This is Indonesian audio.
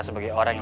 sebagai orang yang